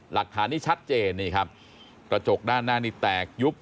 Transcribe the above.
หลักฐานนี้ชัดเจนนี่ครับกระจกด้านหน้านี้แตกยุบ